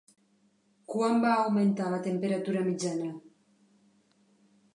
Quant va augmentar la temperatura mitjana?